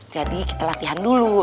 jadi kita latihan dulu